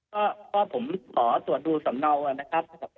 ก็ผมขอตรวจดูสำเนานะครับ